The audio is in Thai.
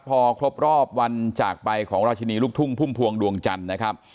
พอครบรอบวันจากไปของราชินีลูกทุ่งพุ่มพวงดวงจันทร์นะครับ